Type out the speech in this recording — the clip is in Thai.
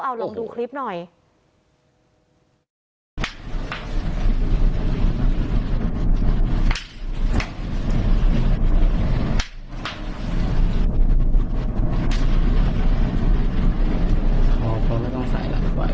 เอาลองดูคลิปหน่อย